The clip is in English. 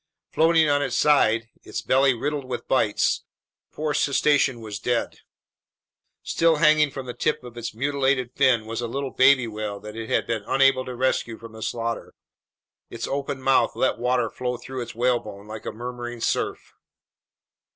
Floating on its side, its belly riddled with bites, the poor cetacean was dead. Still hanging from the tip of its mutilated fin was a little baby whale that it had been unable to rescue from the slaughter. Its open mouth let water flow through its whalebone like a murmuring surf.